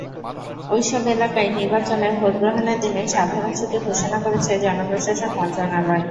ওইসব এলাকায় নির্বাচনের ভোট গ্রহণের দিনে সাধারণ ছুটি ঘোষণা করেছে জনপ্রশাসন মন্ত্রণালয়।